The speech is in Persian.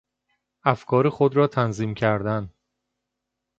افکار خود را تنظیم کردن